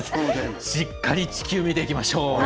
しっかり地球見ていきましょう。